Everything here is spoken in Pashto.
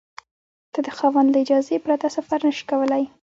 ته د خاوند له اجازې پرته سفر نشې کولای.